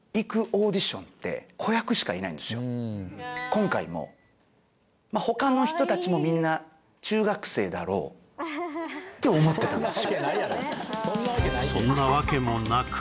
今回も他の人たちもみんな中学生だろうって思ってたんですよ